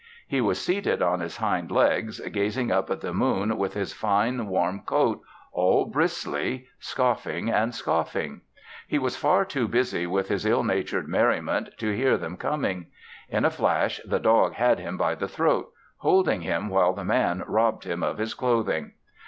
He was seated on his hind legs, gazing up at the moon with his fine warm coat all bristly, scoffing and scoffing. He was far too busy with his ill natured merriment to hear them coming. In a flash the dog had him by the throat, holding him while the man robbed him of his clothing.